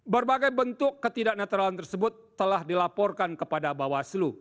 berbagai bentuk ketidak netralan tersebut telah dilaporkan kepada bawaslu